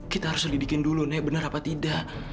kita harus lidikin dulu naik benar apa tidak